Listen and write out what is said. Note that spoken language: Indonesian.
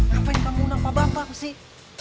ngapain kamu nampak bapak sih